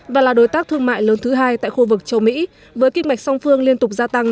và là đối tác thương mại lớn thứ hai tại khu vực châu mỹ với kinh mạch song phương liên tục gia tăng